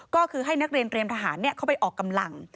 ก็คือให้นักเรียนเตรียมทหารเข้าไปออกกำลัง